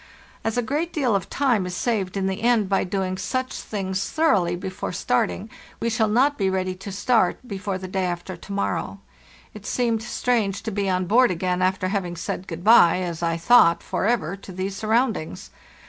As a great deal of time is saved in the end by doing such things thoroughly before starting, we shall not be ready to start before the day after to morrow. — It seemed strange to be on board again after having said good bye, as I thought, forever, to these surroundings.